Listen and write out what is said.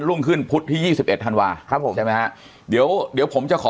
รุ่งขึ้นพุฒิ๒๑ธันวาค์ครับผมจะมีอาเตี๋ยวเดี๋ยวผมจะขอ